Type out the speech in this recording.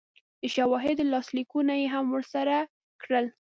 د شاهدانو لاسلیکونه یې هم ورسره کړل